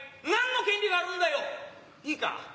なんの権利があるんだよ。いいか？